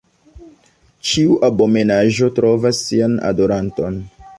Ĉiu abomenaĵo trovas sian adoranton.